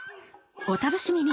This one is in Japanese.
お楽しみに！